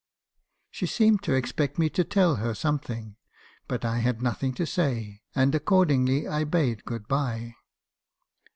" She seemed to expect me to tell her something; but I had nothing to say, and accordingly I bade good bye.